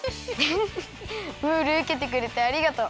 フフッムールウケてくれてありがとう。